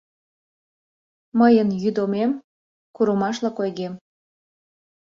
— Мыйын йӱдомем, курымашлык ойгем...